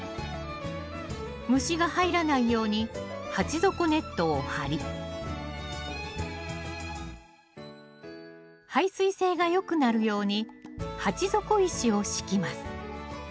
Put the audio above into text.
虫が入らないように鉢底ネットを張り排水性がよくなるように鉢底石を敷きます。